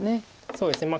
そうですね。